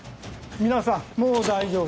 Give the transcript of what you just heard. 皆さんもう大丈夫。